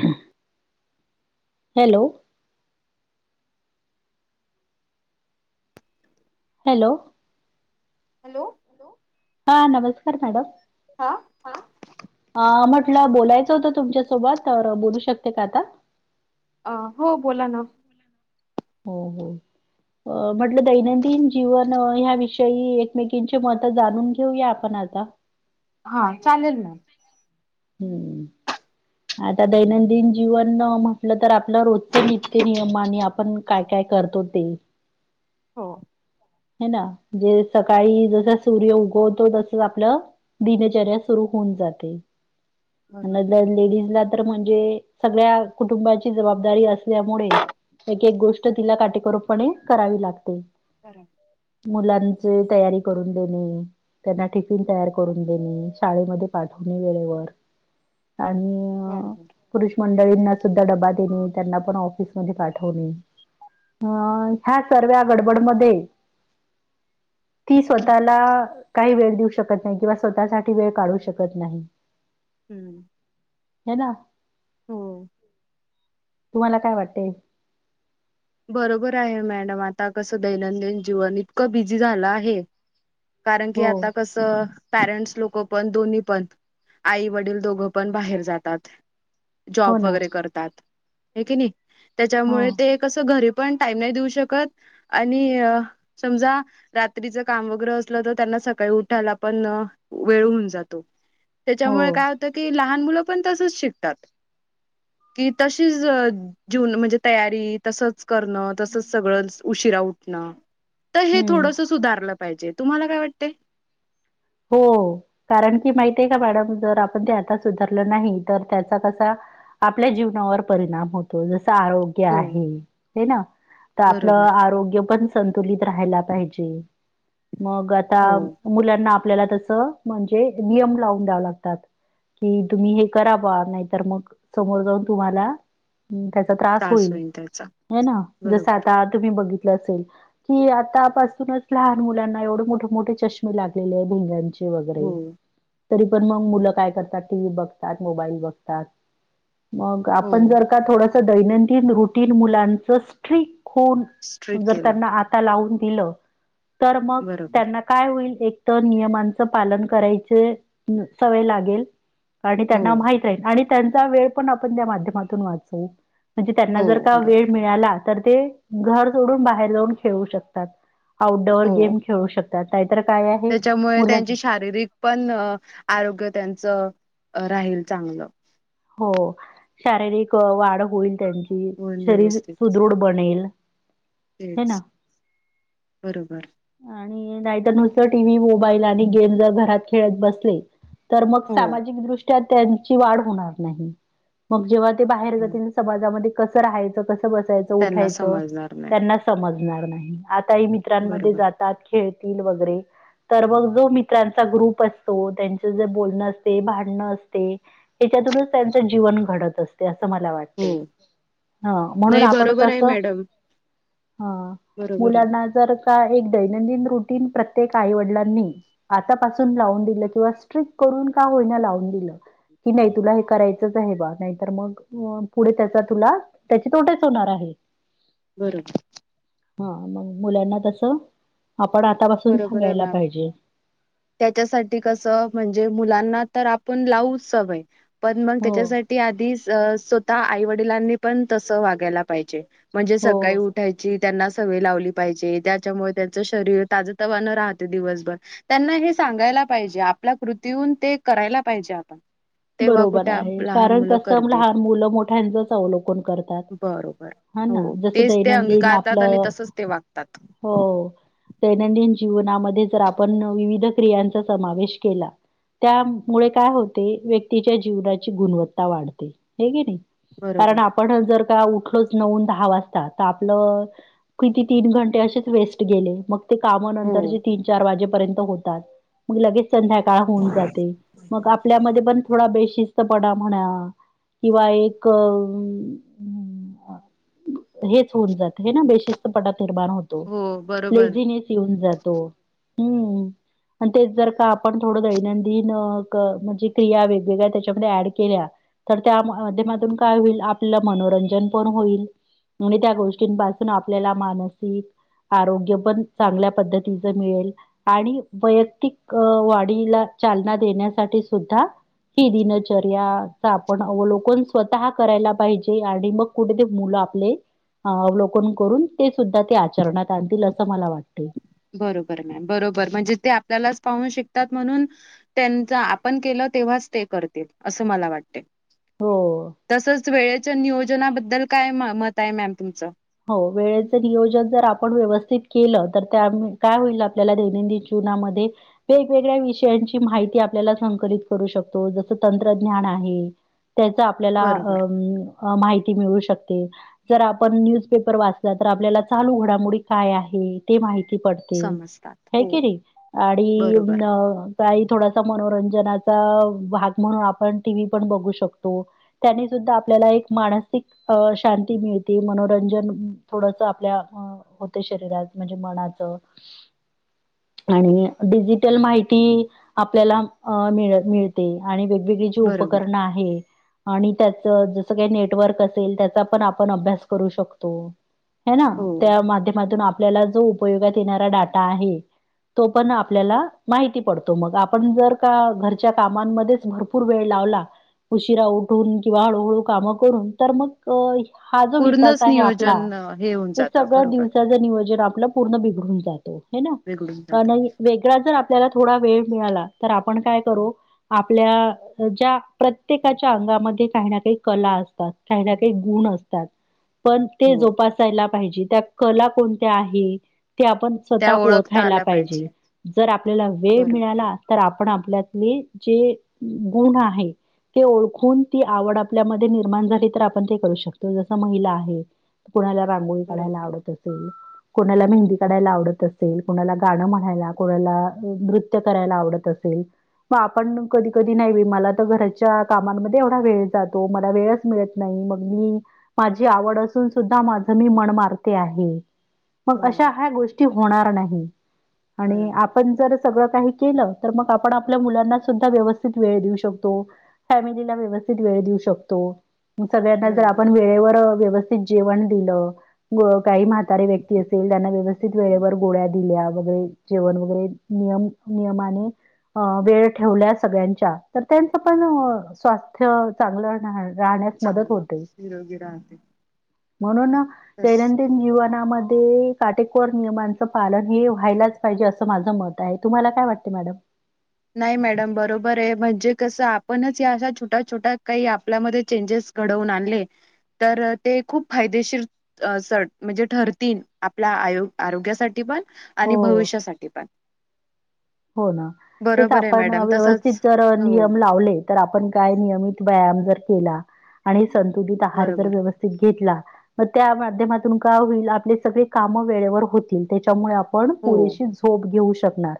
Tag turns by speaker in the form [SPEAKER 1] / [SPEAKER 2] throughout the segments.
[SPEAKER 1] ह. Hello. Hello.
[SPEAKER 2] Hello
[SPEAKER 1] हा नमस्कार मॅडम
[SPEAKER 2] हा
[SPEAKER 1] ह म्हटलं बोलायचं होत तुमच्या सोबत तूझ्या सोबत बोलू शकते का आता
[SPEAKER 2] अ हो बोला ना.
[SPEAKER 1] हो हो. अ म्हटलं दैनंदिन जीवन ह्याविषयी एकमेकीची मत जाणून घेऊया आपण आता
[SPEAKER 2] हा चालेल.
[SPEAKER 1] हम्म. आता दैनंदिन जीवन म्हटलं तर आपल्या रोजच नित्य नियम आणि आपण काय काय करतो ते
[SPEAKER 2] हो
[SPEAKER 1] ह ना जे सकाळी जस सूर्य उगवतो तसच आपलं दिनचर्या सुरू होऊन
[SPEAKER 2] बरोबर
[SPEAKER 1] लेडीज ला तर म्हणजे सगळ्या कुटुंबाची जबाबदारी असल्यामुळे एक एक गोष्ट तिला काटेकोरपणे करावी लागते.
[SPEAKER 2] करा.
[SPEAKER 1] मुलांची तयारी करून देणे. त्यांना टिफिन तयार करून देणे शाळेमध्ये पाठवणे वेळेवर आणि
[SPEAKER 2] बरोबर
[SPEAKER 1] पुरुष मंडळींना सुद्धा डबा देणे त्यांना पण ऑफिसमध्ये पाठवणे. हं ह्या सर्व गडबड मध्ये ती स्वतःला काही वेळ देऊ शकत नाही किंवा स्वतःसाठी वेळ काढू शकत नाही.
[SPEAKER 2] हम्म
[SPEAKER 1] हे ना
[SPEAKER 2] हो.
[SPEAKER 1] तुम्हाला काय वाटेल?
[SPEAKER 2] बरोबर आहे मॅडम आता कसं दैनंदिन जीवन इतकं बिझी झालं आहे. कारण की
[SPEAKER 1] हो
[SPEAKER 2] आता कसं. पॅरेंट्स लोक पण दोन्ही पण आई वडील दोघं पण बाहेर जातात.
[SPEAKER 1] हो
[SPEAKER 2] जॉब
[SPEAKER 1] ना
[SPEAKER 2] वगैरे करतात आहे की नाही
[SPEAKER 1] हो
[SPEAKER 2] त्याच्यामुळे ते कसं घरी पण टाईम नाही देऊ शकत आणि समजा रात्रीच काम वगैरे असल तर सकाळी उठायला पण वेळ होऊन जातो त्याच्यामुळे
[SPEAKER 1] हो
[SPEAKER 2] काय होतंय की लहान मुलं पण तसच शिकतात कि तशीच म्हणजे तयारी तसंच करण तसच सगळं उशीरा उठण तर हे
[SPEAKER 1] हम्म
[SPEAKER 2] थोडस सुधारलं पाहिजे तुम्हाला काय वाटते?
[SPEAKER 1] हो कारण की माहित आहे का मॅडम जर आपण ते आता सुधारलं नाही तर त्याचा कसा आपल्या जीवनावर परिणाम होतो जसं आरोग्य
[SPEAKER 2] हो
[SPEAKER 1] आहे ना तर आपलं
[SPEAKER 2] बरोबर
[SPEAKER 1] आरोग्य पण संतुलित राहायला पाहिजे मग आता
[SPEAKER 2] हो
[SPEAKER 1] मुलांना आपल्याला तसं म्हणजे नियम लावून द्याव लागतात. कि तुम्ही हे करा बा नाहीतर मग समोर जाऊन तुम्हाला त्याचा त्रास होईल हे ना जस
[SPEAKER 2] बरोबर
[SPEAKER 1] आता तुम्ही बघित की आतापासूनच लहान मुलांना एवढे मोठे मोठे चष्मे लागलेले भिंगांचे.
[SPEAKER 2] हो
[SPEAKER 1] वगैरे तरी पण मग मुलं काय करतात टीव्ही बघतात, मोबाईल बघतात. मग
[SPEAKER 2] हो
[SPEAKER 1] आपण जर का थोडस दैनंदिन रुटीन मुलांच स्ट्रीक्ट खून
[SPEAKER 2] स्ट्रिक
[SPEAKER 1] जर
[SPEAKER 2] केलं
[SPEAKER 1] त्यांना आता लावून दिलं तर मग
[SPEAKER 2] बरोबर
[SPEAKER 1] त्यांना काय होईल. एक तर नियमांचं पालन करायचे सवय लागेल. आणि
[SPEAKER 2] हो
[SPEAKER 1] त्यांना माहित आहे आणि त्यांचा वेळ पण आपण त्या माध्यमातून वाचवू. म्हणजे त्यांना
[SPEAKER 2] हो
[SPEAKER 1] जर का
[SPEAKER 2] बरोबर
[SPEAKER 1] वेळ मिळाला तर ते घर सोडून बाहेर जाऊन खेळू शकतात. आउटडोअर
[SPEAKER 2] हो
[SPEAKER 1] गेम खेळू शकतात नाहीतर काय आहे.
[SPEAKER 2] त्याच्यामुळे
[SPEAKER 1] मुलं
[SPEAKER 2] त्यांची शारीरिक पण आरोग्य त्यांचं अ राहील चांगलं.
[SPEAKER 1] हो शारीरिक वाढ होईल त्यांची
[SPEAKER 2] होईल
[SPEAKER 1] शरीर
[SPEAKER 2] व्यवस्थित
[SPEAKER 1] सुदृढ बनेल. हे
[SPEAKER 2] तेच
[SPEAKER 1] ना
[SPEAKER 2] बरोबर.
[SPEAKER 1] आणि नाहीतर नुसत टीव्ही मोबाईल आणि गेम जर घरात खेळत बसले. तर मग
[SPEAKER 2] हो
[SPEAKER 1] सामाजिकदृष्ट्या त्यांची वाढ होणार नाही मग जेव्हा ते बाहेर
[SPEAKER 2] हं.
[SPEAKER 1] समाजामध्ये कसं राहायचं कसं बसायचं
[SPEAKER 2] त्यांना
[SPEAKER 1] उठायचं
[SPEAKER 2] समजणार नाही
[SPEAKER 1] त्यांना समज समजणार नाही आताही मित्रांमध्ये
[SPEAKER 2] बरोबर
[SPEAKER 1] जातात खेळतील वगैरे. तर मग जो मित्रांचा ग्रुप असतो त्यांचे जे बोलणं असते, भांडणं असते त्यातूनच त्यांचं जीवन घडत असते. अस मला
[SPEAKER 2] हो
[SPEAKER 1] वाटते ह म्हणून
[SPEAKER 2] नाही
[SPEAKER 1] आपण
[SPEAKER 2] बरोबर आहे
[SPEAKER 1] कसं.
[SPEAKER 2] मॅडम
[SPEAKER 1] हा
[SPEAKER 2] बरोबर आहे
[SPEAKER 1] मुलांना जर का हे रुटिन प्रत्येक आई वडीलांनी आतापासून लाऊन दिलं कि किंवा स्ट्रिक्ट करून का होईना [unintelligible] दिलं. कि नाही तुला हे करायचंच आहे बा. नाही तर मग पुढे त्याचा तुला त्याचे तोटेच होणार आहे.
[SPEAKER 2] बरोबर
[SPEAKER 1] हं मग मुलांना तसं आपण आतापासून
[SPEAKER 2] बरोबर आहे
[SPEAKER 1] सांगायला
[SPEAKER 2] मॅम,
[SPEAKER 1] पाहिजे
[SPEAKER 2] त्याच्यासाठी कसं म्हणजे मुलांना तर आपण लावूच सवय, पण मग
[SPEAKER 1] हो
[SPEAKER 2] त्याच्यासाठी आधी स्वतः आई वडलांनी पण तस वागायला पाहिजे, म्हणजे
[SPEAKER 1] हो
[SPEAKER 2] सकाळी उठायची त्यांना सवय लावली पाहिजे त्याच्यामुळे त्यांचं शरीर ताज तवानं राहते दिवसभर त्यांना हे सांगायला पाहिजे. आपल्या कृतीहून ते करायला पाहिजे. आता
[SPEAKER 1] बरोबर आहे कारण कसं लहान मुलं मोठ्यांचच अवलोकन करतात.
[SPEAKER 2] बरोबर
[SPEAKER 1] हा ना
[SPEAKER 2] हो
[SPEAKER 1] जसं
[SPEAKER 2] तेच ते
[SPEAKER 1] दैनंदिन
[SPEAKER 2] अंगीकारतात आणि
[SPEAKER 1] आपलं
[SPEAKER 2] तसच ते वागतात
[SPEAKER 1] हो दैनंदिन जीवनामध्ये जर आपण विविध क्रियांचा समावेश केला. त्यामुळे काय होते व्यक्ती तिच्या जीवनाची गुणवत्ता वाढते हे की नाही कारण
[SPEAKER 2] बरोबर
[SPEAKER 1] आपण जर उठलच नऊ आणि दहा वाजता तर आपलं किती तीन घंटे असेच वेस्ट गेले मग ते काम
[SPEAKER 2] हो
[SPEAKER 1] नंतर जी तीन चार वाजेपर्यंत होतात. मग लगेच संध्याकाळ होऊन जाते, मग आपल्यामध्ये पण थोडा बेशिस्त पणा म्हणा किंवा एक हेच होऊन जात हैना बेशिस्तपणात निर्माण होतो
[SPEAKER 2] हो बरोबर
[SPEAKER 1] लेझीनेस येऊन जातो. हम्म. आणि तेच जर का आपण थोडं दैनंदिन अ क म्हणजे क्रिया वेग वेगा त्याच्यामध्ये ऍड केल्या तर त्या माध्यमातून काय होईल, आपलं मनोरंजन पण होईल. मुळे त्या गोष्टींपासून आपल्याला मानसिक आरोग्य पण चांगल्या पद्धतीच मिळेल आणि वैयक्तिक अ वाढीला चालना देण्यासाठी सुद्धा ही दिनचर्याचा आपण अवलोकन स्वतः करायला पाहिजे. आणि मग कुठे ते मुला आपले अवलोकन करून ते सुद्धा ते आचरणात आणतील असं मला वाटते.
[SPEAKER 2] बरोबर मॅम बरोबर म्हणजे ते आपल्यालाच पाहून शिकतात म्हणून त्यांचं आपण केलं तेव्हाचं ते करतील अस मला वाटतंय.
[SPEAKER 1] हो.
[SPEAKER 2] तसच वेळेच्या नियोजनाबद्दल काय म मत आहे मॅम तुमचं?
[SPEAKER 1] हो वेळेच नियोजन जर आपण व्यवस् स्थित केलं तर का काय होईल आपल्याला दैनंदिन जीवनामध्ये वेगवेगळ्याविषयांची विषयांची माहि ती आपल्याला संकलित करू शकतो जस तंत्रज्ञान आहे. त्याचं आपल्याला अ
[SPEAKER 2] बरोबर
[SPEAKER 1] अ माहिती मिळू शकते. जर आपण न्यूज पेपर वाचला तर आपल्याला चालू घडामोडी काय आहे. ते माहि ती पडतेच
[SPEAKER 2] समजतात
[SPEAKER 1] है
[SPEAKER 2] हो
[SPEAKER 1] की नहि आणि
[SPEAKER 2] बरोबर
[SPEAKER 1] ण काही थोडासा मनोरंजनाचा भाग म्हणून आपण टीव्ही पण बघू शकतो त्याने सु द्धा आपल्याला एक मानसिक अ शांती मिळते. मनोरंजन अ थोडसं आपल्या अं होते शरीरात म्हणजे मनाचं आणि डिजिटल माहिती आपल्याला मिळ मिळते आणि वि विजेची
[SPEAKER 2] बरोबर.
[SPEAKER 1] उपकरण आहे. आणि त्यात तर जसं काही नेटवर्क असेल त्याचा पण आपण अभ्यास करू शकतो. है ना
[SPEAKER 2] हो
[SPEAKER 1] त्या माध्यमातून आपल्याला जो उपयोगात येणारा डाटा आहे. तो पण आपल्याला माहिती पडतो मग. आपण जर का घरच्या कामांमध्येच भरपूर वेळ ला लावला उशिरा उठून किंवा हळु हळु काम करून तर मग हा जो विकास
[SPEAKER 2] पूर्णच
[SPEAKER 1] [unintelligible] आपला
[SPEAKER 2] नियोजन अ, हे होऊन
[SPEAKER 1] ते
[SPEAKER 2] जातं
[SPEAKER 1] सगळं
[SPEAKER 2] बरोबर
[SPEAKER 1] दिवसाचं नियो जन आपलं पूर्ण बिघडून जातो है ना.
[SPEAKER 2] बिघडून
[SPEAKER 1] का
[SPEAKER 2] जातं.
[SPEAKER 1] नई वेगळा जर आपल्याला थोडा वेळ मिळाला तर आपण काय करू, आपल्या ज्या प्रत्येकाच्या अंगामध् काही ना काही कला असतात. काही ना काही गुण असतात. पण ते
[SPEAKER 2] हो
[SPEAKER 1] जोपासायला पाहिजे त्या कला कोणत्या आहे. ते आपण
[SPEAKER 2] त्या
[SPEAKER 1] स्वतः
[SPEAKER 2] ओळखता
[SPEAKER 1] ओळखायला
[SPEAKER 2] आल्या
[SPEAKER 1] पाहिजे. जर आपल्याला वेळ
[SPEAKER 2] बरोबर
[SPEAKER 1] मिळाला तर आप पण आपल्यातली जी गुण आहे. ते ओळखून ती आवड आपल्यामध्ये निर्माण झाली तर आपण ते करू शकतो जस महिला आहे. हे त कुणाला रांगोळी काढायला
[SPEAKER 2] बरोबर
[SPEAKER 1] आवडत असेल. कोणाला मेहंदी काढायला आवडत असेल, कोणाला गाणं म्हणायला, कोणाला नृत्य करायला आवडत असेल. म आपण कधी कधी, नाही बई मला तर घराच्या कामांमध्ये एवढा वेळ जातो मला वेळच मिळत नाही. मग मी माझी आवड असून सुद्धा माझ मी मन मारते आहे. मग
[SPEAKER 2] हो.
[SPEAKER 1] अशा ह्या गोष्टी होणार नाही आणि
[SPEAKER 2] बरोबर
[SPEAKER 1] आपण जर सगळं काही केलं तर मग आपण आपल्या मुलांना सुद्धा व्यवस्थित वेळ देऊ शकतो. फॅमिलीला व्यवस्थित देऊ शकतो. सगळ्यांना जर
[SPEAKER 2] बरोबर
[SPEAKER 1] आपण वेळेवर व्यवस् स्थित जेवण दिलं. काही म्हातारे व्यक्ती असेल त्यांना व्यवस्थित वेळेवर गोळ्या दिल्या वगैरे जेवण वगैरे नियम नियमानी अ वेळ ठेवल्या सगळ्यांच्या तर त्यांचं पण स्वास्थ्य चांगलं न्हा
[SPEAKER 2] चांग निरोगी राहते.
[SPEAKER 1] म्हणून
[SPEAKER 2] तस
[SPEAKER 1] दैनंदिन जीवन ना मध्ये काटेकोर नियमांचं पालन हे व्हायलाच पाहिजे असं माझं मत आहे, तुम्हाला काय वाट? मॅडम
[SPEAKER 2] नाही मॅडम बरोबर ये, म्हणजे कसं आपणच या अशा छोट्या छोट्या काही आपल्यामध्ये चेंजेस घडवून आणले. तर ते खूप फायदेशीर अ सर म्हणजे ठरतील आपल्या आयो आरोग्यासाठी पण आणि
[SPEAKER 1] हो.
[SPEAKER 2] भविष्यासाठी पण
[SPEAKER 1] हो ना तेच
[SPEAKER 2] बरोबर आहे
[SPEAKER 1] आपण
[SPEAKER 2] मॅडम
[SPEAKER 1] व्यवस्थित
[SPEAKER 2] तसच
[SPEAKER 1] जर
[SPEAKER 2] हो
[SPEAKER 1] नियम लावले तर आपण काय नियमित व्यायाम जर केला. आणि संतुलित आहार जर
[SPEAKER 2] बरोबर
[SPEAKER 1] व्यवस्थित घेतला. मग त्या माध्यमातून काय होईल? आपले सगळे काम वेळेवर होतील त्याच्यामुळे आप पण
[SPEAKER 2] हो
[SPEAKER 1] पुरेशी झोप घेऊ शकणार.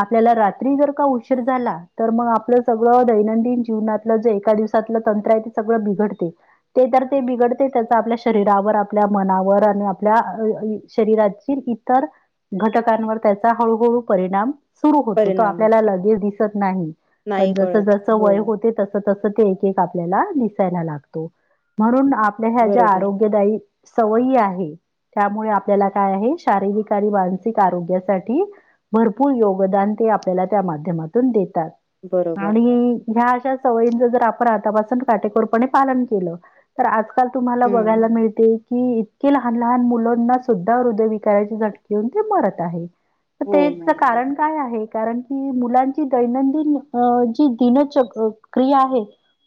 [SPEAKER 1] आपल्याला रात्री जर का उशीर झाला तर मग आपलं सगळं दैनंदिन जीवनातलं जे एका दिवसात ल तंत्र आहे ते सगळं बिघडते, ते तर ते बिघडते त्याचा आपल्या शरीरावर, आपल्या मनावर आणि आप आपल्या [unintelligible] शरीराचील इतर घटकांवर त्याचा हळूहळू परिणाम सुरू होतो, तो
[SPEAKER 2] परिणाम
[SPEAKER 1] आपल्याला
[SPEAKER 2] होतो
[SPEAKER 1] लगेच दिसत नाही, पण
[SPEAKER 2] नाही
[SPEAKER 1] जस
[SPEAKER 2] कळत
[SPEAKER 1] जस
[SPEAKER 2] हो
[SPEAKER 1] वय होते तस तस त ते एक एक आपल्याला दिसायला लागतो म्हणून आपल्या ह्या ज्या
[SPEAKER 2] बरोबर
[SPEAKER 1] आरोग्यदायी सवयी आहे. त्यामुळे आपल्याला काय आहे, शारीरिक आणि मानसिक आरोग्यासाठी भरपूर योग गदान ते आपल्याला त्या माध्यमातून देतात
[SPEAKER 2] बरोबर
[SPEAKER 1] आणि ह्या अश्या सवयींच जर आपण आतापासून काटेकोरपणे पालन केलं तर आजकाल तुम्हाला
[SPEAKER 2] हम्म
[SPEAKER 1] बघायला मिळते. कि इतके लहान लहान मुलांना सुद्धा हृदय विकाराची झटके होऊन ते मरत आहे. तर
[SPEAKER 2] हो
[SPEAKER 1] त्याचं
[SPEAKER 2] मॅडम
[SPEAKER 1] कारण
[SPEAKER 2] बरोबर
[SPEAKER 1] काय आहे कारण की मुलांची दैनंदिन अ जी दिन च क्रिया आहे.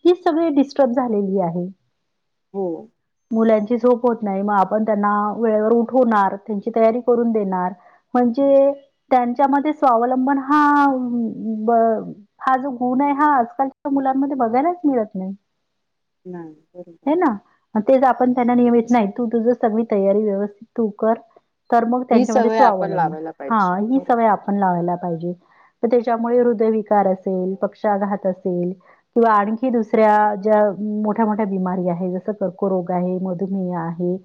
[SPEAKER 1] ही सगळी डिस्टब झालेली आहे.
[SPEAKER 2] हो.
[SPEAKER 1] मुलांची झोप होत नाही, मग आपण त्यांना वेळेवर उठवणार, त्यांची तयारी करून देणार [unintelligible] चे त्यांच्या मध्येच स्वावलंबन हा ब हा जो गुण आहे, हा आजकालच्या मुलांमध्ये बघायलाच मिळत नाही.
[SPEAKER 2] नाही बरोबर
[SPEAKER 1] म तेच आपण त्यांना नियमित नाही, तू तुझ सगळी तयारी व्यवस्थित तू कर तर मग
[SPEAKER 2] ही
[SPEAKER 1] त्यांच्यामध्ये
[SPEAKER 2] सवय आपण
[SPEAKER 1] स्वावलंबन
[SPEAKER 2] लावायला
[SPEAKER 1] हा
[SPEAKER 2] पाहिजे
[SPEAKER 1] ही सवय
[SPEAKER 2] बरोबर
[SPEAKER 1] आप पण लावायला पाहिजे त त्याच्यामुळे हृदयविकार असेल, पक्षाघात असेल किंवा आणखी दुसऱ्या ज्या मोठ्या मोठ्या बिमारी आहे जसं कर्करोग आहे, मधुमेह आहे.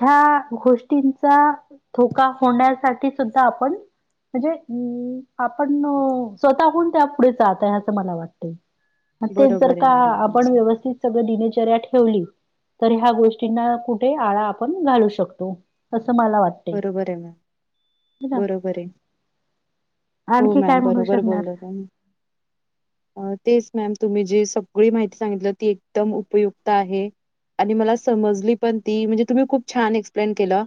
[SPEAKER 1] ह्या गोष्टींचा धोका होण्यासाठी सुद्धा आपण म्हणजे उम्म आपण स्वतःहून त्या पुढे जात आहे अस मला वाटते. म तेच जर
[SPEAKER 2] बरोबर आहे
[SPEAKER 1] का
[SPEAKER 2] मॅडम
[SPEAKER 1] आपण
[SPEAKER 2] तुमचं
[SPEAKER 1] व्यवस्थित सगळ दिनचर्या ठेवली. तर ह्या गोष्टींना कुठे आळा आपण घालू शकतो अस
[SPEAKER 2] बरोबर ये मॅम
[SPEAKER 1] है ना?
[SPEAKER 2] बरोबर ये हो
[SPEAKER 1] आणखी काय
[SPEAKER 2] मॅम
[SPEAKER 1] म्हणू हम्म.
[SPEAKER 2] बरोबर
[SPEAKER 1] शकणार?
[SPEAKER 2] बोल्ला तुम्ही अ तेच मॅम तुम्ही जी सगळी माहिती सांगितलं ती एकदम उपयुक्त आहे. आनी मला समजली पण ती म्हणजे तुम्ही खूप छान एक्सप्लेन केलं.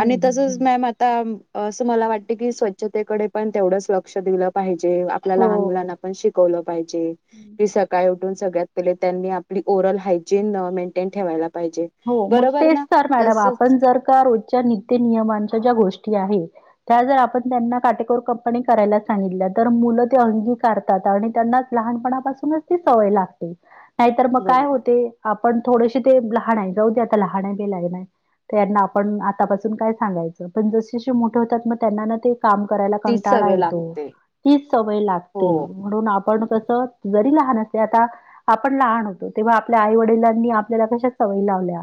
[SPEAKER 2] आणि
[SPEAKER 1] हं,
[SPEAKER 2] तसच
[SPEAKER 1] हं.
[SPEAKER 2] मॅम आता अम असं मला वाट त कि स्वच्छतेकडे पण तेवढंच लक्ष दिलं पाहिजे. जे आपल्या लहान
[SPEAKER 1] हो.
[SPEAKER 2] मुलांना पण शिकवलं पायजे, की सकाळी उ टून सगळ्यात पले त्यांनी आपली ओरल हायजीन मेंटेन ठेवायला पाहिजे.
[SPEAKER 1] हो मग
[SPEAKER 2] बरोबर
[SPEAKER 1] तेच
[SPEAKER 2] ना?
[SPEAKER 1] तर मॅडम
[SPEAKER 2] तसच
[SPEAKER 1] आपण जर का रोजच्यानी ते नियमांच्या ज्या गोष्टी आहे त्या जर आपण त्यांना काटेकोरकपणे करायला सांगितल्या तर म मुलं ते अंगिकारतात आणि त्यांनाच लहानपणापासूनच ती सवय लागते. नाही तर मग काय
[SPEAKER 2] बरोबर
[SPEAKER 1] होते आपण थोडेशे ते लहाण हाय जाऊ दे आता लहााण हाय बी लाय नाही. त्यांना आपण आतापासून काय सांगायचं पण जसजसे मोठे होतात मग त्यांना ना ते काम करायला
[SPEAKER 2] तीच
[SPEAKER 1] कंटाळा
[SPEAKER 2] सवय
[SPEAKER 1] येतो
[SPEAKER 2] लागते.
[SPEAKER 1] तीच सवय
[SPEAKER 2] हो.
[SPEAKER 1] लागते म्हणून आपण क तर जरी लहान असते आता आपण लहाण होतो तेव्हा आपल्या आई वडिलांनी आपल्याला कशा सवयी लावल्या.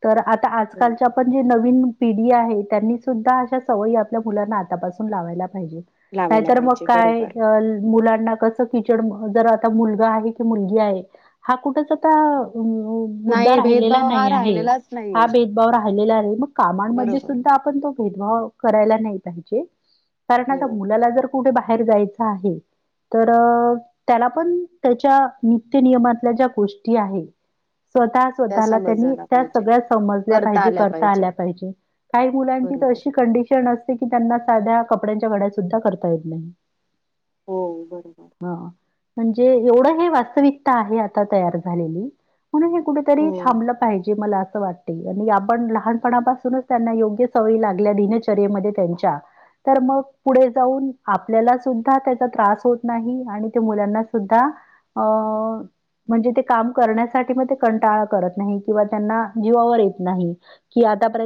[SPEAKER 1] [inaudible] तर आता
[SPEAKER 2] हो.
[SPEAKER 1] आजकालच्या पण जे नव नवीन पिढी आहे त्यांनी सुद्धा अशा सवयी आपल्या मुलांना आतापासून लावायला पाहिजे
[SPEAKER 2] लावायला
[SPEAKER 1] नाहीतर मग
[SPEAKER 2] पाहिजे
[SPEAKER 1] काय
[SPEAKER 2] बरोबर.
[SPEAKER 1] अल मुला [inaudible] कच किचड म जर आता मुलगा आहे की मुलगी आहे हा कुठच आता
[SPEAKER 2] नाही भेद.
[SPEAKER 1] ला नाही आहे हा भेदभाव रा [unintelligible] रे मग कामांमध्ये
[SPEAKER 2] बरोबर
[SPEAKER 1] सुद्धा आपन तो भेदभाव करायला नाही पाहिजे. कारण आता
[SPEAKER 2] हो
[SPEAKER 1] मुलाला जर कुठे बाहेर जायचं आहे. तर त्याला पण त्याच्या नित्य नियमातल्या ज्या गोष्टी आहेत स्वतः
[SPEAKER 2] त्या
[SPEAKER 1] स्वतःला
[SPEAKER 2] समज
[SPEAKER 1] त्यांनी
[SPEAKER 2] झाला
[SPEAKER 1] त्या
[SPEAKER 2] पाहिजे
[SPEAKER 1] सगळ्या समजल्या पाहिजे करता आल्या पाहिजे. काही मुलांची त
[SPEAKER 2] बरोबर
[SPEAKER 1] अशी कंडीशण अस ते की त्यांना साध्या कपड्यांच्या घड्या सुद्धा करता येत नाही.
[SPEAKER 2] हो बरोबर
[SPEAKER 1] हां. म्हणजे येवढं हे वास्तविकता आहे आता तयार झालेली म्हणून कुठंतरी
[SPEAKER 2] हो
[SPEAKER 1] थांबलं पाहिजे मला. अस वाटते आणि आपण लहानपणापासूनच त्यांना योग्य सवयी लागल्या दिनचर्येमध्ये त्यांच्या तर मग पुढे जाऊन आपल्याला सुद्धा त्याचा त्रास होत नाही आणि ते मुलांना सुद्धा अ म्हणजे ते काम करण्यासाठी म ते कंटाळ करत नाही किंवा त्यांना जीवावर येत नाही की आतापरे